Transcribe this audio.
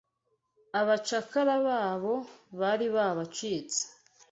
Abacakara babo bari babacitse